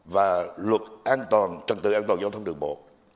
và luật trật tự an toàn giao thông đường bộ